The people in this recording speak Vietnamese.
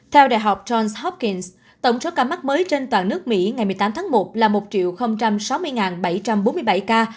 theo đại học johns hopkings tổng số ca mắc mới trên toàn nước mỹ ngày một mươi tám tháng một là một sáu mươi bảy trăm bốn mươi bảy ca